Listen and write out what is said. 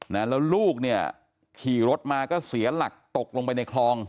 แล้วลูกเนี่ยขี่รถมาก็เสียหลักตกลงไปในคลอง